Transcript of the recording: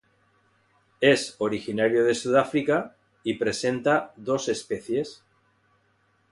Es originario de Sudáfrica y presenta dos especies.